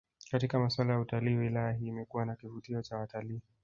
Katika maswala ya utalii wilaya hii imekuwa na kivutio cha watalii